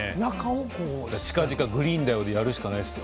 ちかぢか「グリーンだよ」でやるしかないですよ。